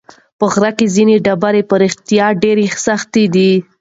په غره کې ځینې ډبرې په رښتیا ډېرې سختې دي.